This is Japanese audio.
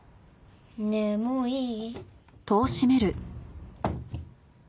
ねえもういい？